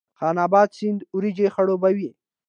خان اباد سیند وریجې خړوبوي؟